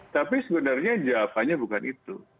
tapi sebenarnya jawabannya bukan itu